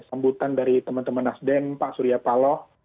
sambutan dari teman teman nasdem pak surya paloh